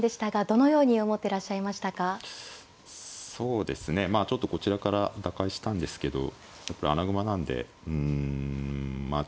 そうですねまあちょっとこちらから打開したんですけどやっぱり穴熊なんでうんまあ